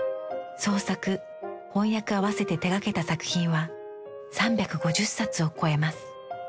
創作翻訳合わせて手がけた作品は３５０冊を超えます。